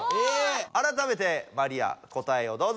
あらためてマリア答えをどうぞ。